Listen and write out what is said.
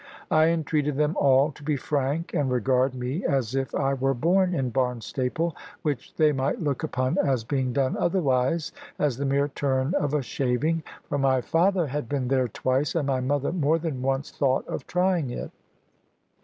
I entreated them all to be frank, and regard me as if I were born in Barnstaple, which they might look upon as being done otherwise, as the mere turn of a shaving; for my father had been there twice, and my mother more than once thought of trying it.